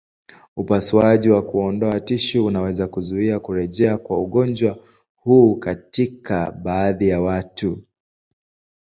Upasuaji wa kuondoa tishu unaweza kuzuia kurejea kwa ugonjwa huu katika baadhi ya watu.